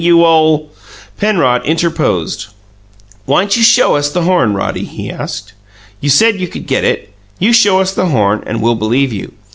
"You ole " Penrod interposed. "Why'n't you show us the horn, Roddy?" he asked. "You said you could get it. You show us the horn and we'll believe you.